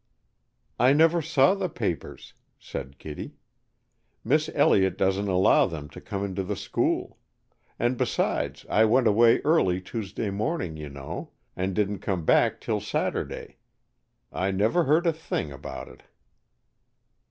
"I never saw the papers," said Kittie. "Miss Elliott doesn't allow them to come into the school. And besides I went away early Tuesday morning, you know, and didn't come back till Saturday. I never heard a thing about it."